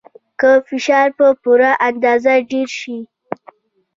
که فشار په پوره اندازه ډیر شي.